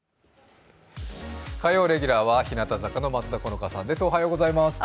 火曜レギュラーは日向坂の松田好花さんです。